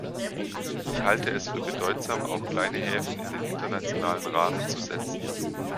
Ich halte es für bedeutsam, auch kleine Häfen in den internationalen Rahmen zu setzen.